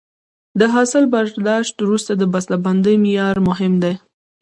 د حاصل برداشت وروسته د بسته بندۍ معیار مهم دی.